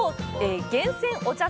厳選お茶